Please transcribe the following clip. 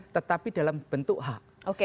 tetapi dalam bentuk hak